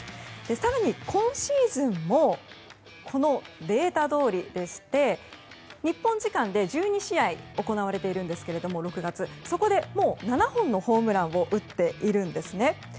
更に今シーズンもこのデータどおりでして日本時間で６月は１２試合行われているんですがそこでもう７本のホームランを打っているんですね。